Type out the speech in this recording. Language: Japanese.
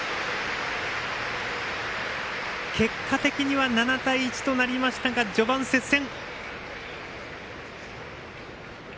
結果的には７対１となりましたが序盤、接戦。